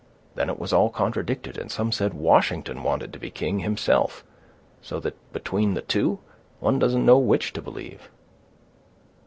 Then it was all contradicted, and some said Washington wanted to be king himself; so that, between the two, one doesn't know which to believe."